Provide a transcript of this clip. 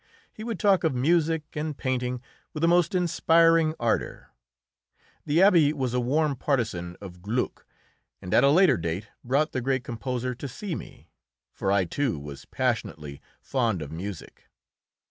He would talk of music and painting with the most inspiring ardour. The Abbé was a warm partisan of Gluck, and at a later date brought the great composer to see me, for I, too, was passionately fond of music.